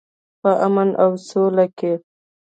په امن او سوله کې.